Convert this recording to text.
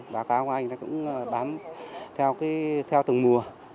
bà cáo anh cũng bám theo từng mùa